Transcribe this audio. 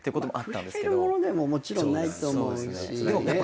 比べるものでももちろんないと思うし。